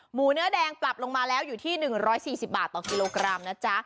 หมูเนื้อแดงปรับลงมาแล้วอยู่ที่๑๔๐บาทต่อกิโลกรัมนะจ๊ะ